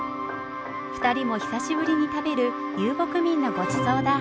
２人も久しぶりに食べる遊牧民のごちそうだ。